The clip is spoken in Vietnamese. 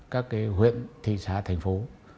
các cái huyện thị xã thành phố